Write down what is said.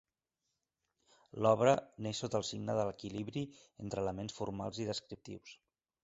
L'obra neix sota el signe de l'equilibri entre elements formals i descriptius.